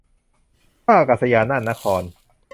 ท่าอากาศยานน่านนคร